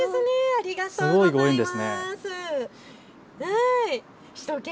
ありがとうございます。